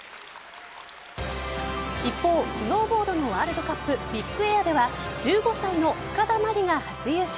一方スノーボードのワールドカップビッグエアでは１５歳の深田茉莉が初優勝。